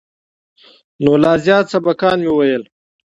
نو لا زيات سبقان به مې ويل.